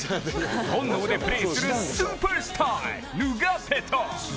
本能でプレーするスーパースター、ヌガペト。